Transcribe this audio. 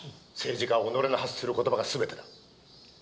政治家は己の発する言葉が全てだ。